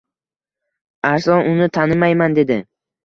Arslon uni tanimayman dedi.